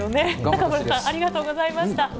中丸さん、ありがとうございました。